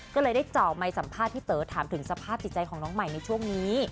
ก็เลยได้เจาะไมค์สัมภาษณ์พี่เต๋อถามถึงสภาพจิตใจของน้องใหม่ในช่วงนี้